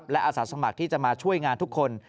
และอาสาสมัครที่จะมาช่วยงานทุกคน